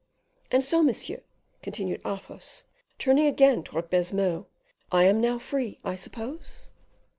And so, monsieur," continued Athos, turning again towards Baisemeaux, "I am now free, I suppose?"